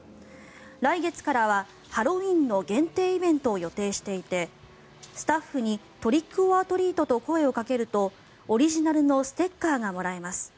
来月からはハロウィーンの限定イベントを予定していてスタッフにトリック・オア・トリートと声をかけるとオリジナルのステッカーがもらえます。